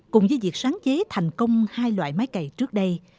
cùng với việc sáng chế thành công hai loại máy cày trước đây